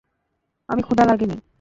আমি ক্ষুধা লাগেনি।